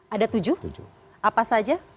ada tujuh apa saja